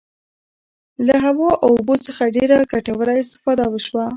له هوا او اوبو څخه ډیره ګټوره استفاده وشوه.